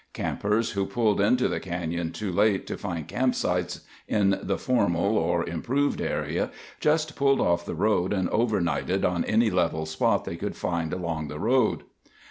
Campers who pulled into the canyon too late to find campsites in the formal, or improved, area just pulled off the road and overnighted on any level spot they could find along the road.